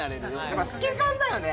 やっぱ透け感だよね！